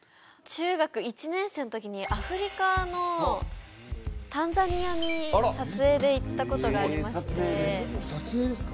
中学１年生の時にアフリカのタンザニアに撮影で行ったことがありまして撮影ですか？